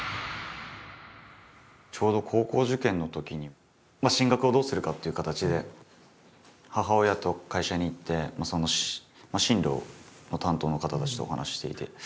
ちょうど高校受験のときに進学をどうするかっていう形で母親と会社に行って進路の担当の方たちとお話ししていて。